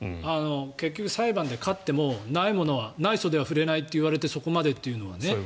結局、裁判で勝ってもない袖は振れないと言われてそこまでというのはね。